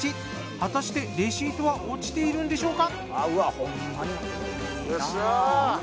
果たしてレシートは落ちているんでしょうか？